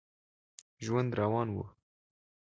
ژوند روان و.